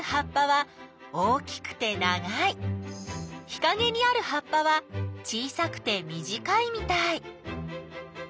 日かげにある葉っぱは小さくて短いみたい。